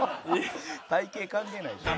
体形関係ないでしょ。